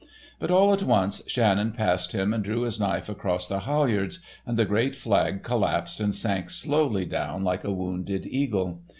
But all at once Shannon passed him and drew his knife across the halyards, and the great flag collapsed and sank slowly down like a wounded eagle.